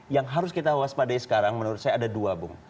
yang harus kita waspadai sekarang menurut saya ada dua bung